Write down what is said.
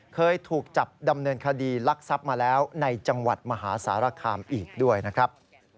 เคยถูกจับดำเนินคดีลักทรัพย์มาแล้วในจังหวัดมหาสารคามอีกด้วยนะครับ